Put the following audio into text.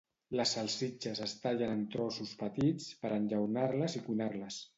Les salsitxes es tallen en trossos petits per a enllaunar-les i cuinar-les.